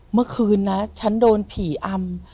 เมื่อคืนนะฉันโดนผีอำ